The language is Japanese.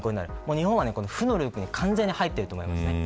日本は負のループに完全に陥っていると思います。